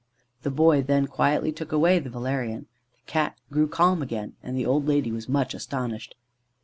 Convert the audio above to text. The boy then quietly took away the valerian. The Cat grew calm again, and the old lady was much astonished.